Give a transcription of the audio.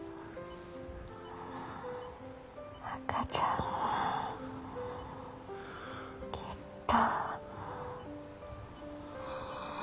赤ちゃんはきっと女の。